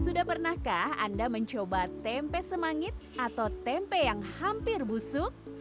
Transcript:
sudah pernahkah anda mencoba tempe semangit atau tempe yang hampir busuk